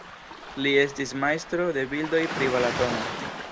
Li estis majstro de bildoj pri Balatono.